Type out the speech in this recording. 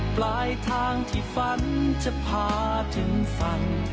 ปลายทางที่ฝันจะพาถึงฝัน